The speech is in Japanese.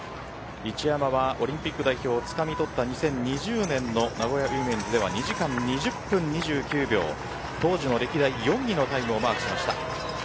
一山はオリンピック代表をつかみ取った２０２０年の名古屋ウィメンズでは２時間２０分２９秒当時の歴代４位のタイムをマークしました。